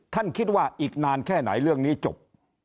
คิดว่าอีกนานแค่ไหนเรื่องนี้จบ